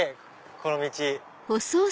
この道。